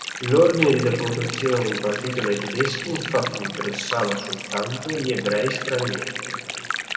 L'ordine di deportazione impartito dai tedeschi infatti interessava soltanto gli ebrei stranieri.